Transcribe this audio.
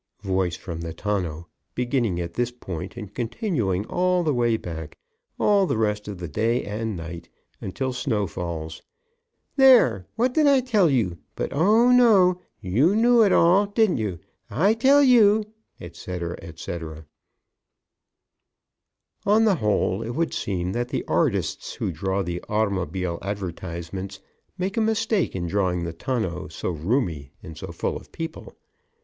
'" (Voice from the tonneau, beginning at this point and continuing all of the way back, all the rest of the day and night, and until snow falls): "There! what did I tell you? But, oh no, you know it all. Didn't I tell you" etc., etc. On the whole, it would seem that the artists who draw the automobile advertisements make a mistake in drawing the tonneau so roomy and so full of people.